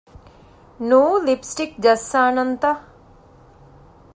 ނޫ ލިޕްސްޓިކް ޖައްސާނަންތަ؟